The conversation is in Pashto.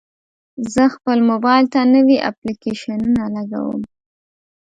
زه خپل موبایل ته نوي اپلیکیشنونه لګوم.